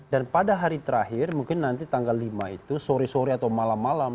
dan pada hari terakhir mungkin nanti tanggal lima itu sore sore atau malam malam